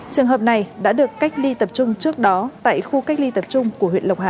trường hợp này đã được cách ly tập trung trước đó tại khu cách ly tập trung của huyện lộc hà